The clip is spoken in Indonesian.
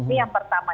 ini yang pertama